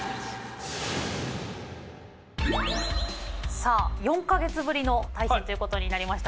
さあ４か月ぶりの対戦ということになりました。